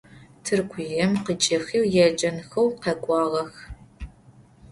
Tırkuêm khiç'ıxi yêcenxeu khek'uağex.